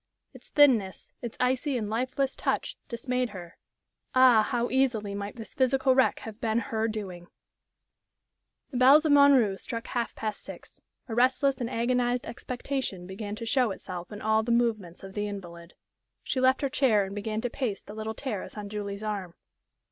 Its thinness, its icy and lifeless touch, dismayed her. Ah, how easily might this physical wreck have been her doing! The bells of Montreux struck half past six. A restless and agonized expectation began to show itself in all the movements of the invalid. She left her chair and began to pace the little terrace on Julie's arm.